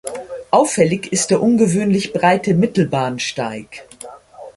Auffällig ist der ungewöhnlich breite Mittelbahnsteig.